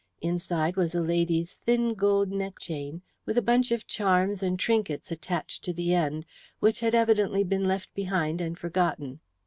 Inside was a lady's thin gold neck chain, with a bundle of charms and trinkets attached to the end, which had evidently been left behind and forgotten.